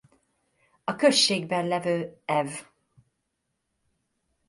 A községben levő ev.